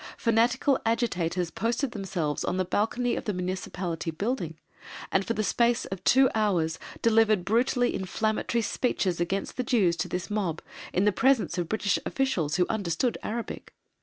Fanatical agitators posted themselves on the balcony of the Municipality Building and, for the space of two hours, delivered brutally inflammatory speeches against the Jews to this mob, in the presence of British officials who understood Arabic.